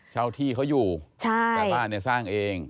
เช่าที่เขาอยู่แต่บ้านเนี่ยสร้างเอง